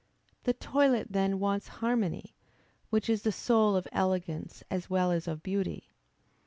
The toilet then wants harmony, which is the soul of elegance as well as of beauty.